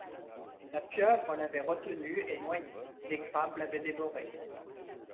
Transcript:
La pieuvre l’avait retenu et noyé ; les crabes l’avaient dévoré.